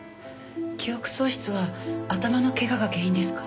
記憶喪失は頭のけがが原因ですか？